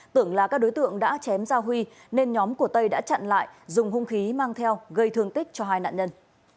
tưởng là các đối tượng đã chém giao huy nên nhóm của tây đã chặn lại dùng hung khí mang theo gây thương tích cho hai nạn nhân